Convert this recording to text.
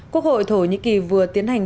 quốc hội thổ nhĩ kỳ vừa tiến hành